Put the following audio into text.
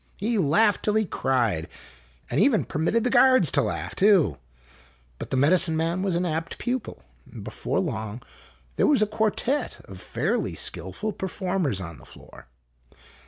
He laughed till he cried, and even permitted the guards to laugh too. But the medicine man was an apt pupil, and before long there was a quartet of fairly skilful performers on the floor.